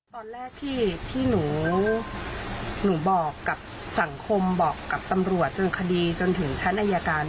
ตอนแรกที่หนูบอกกับสังคมบอกกับตำรวจจนคดีจนถึงชั้นอายการ